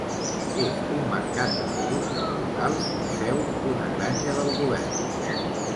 És un mercat de productes locals i seu d'una granja del govern.